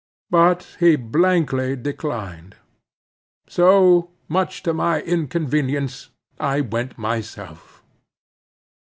But he blankly declined. So, much to my inconvenience, I went myself.